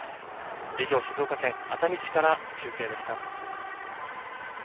以上、静岡県熱海市から中継でした。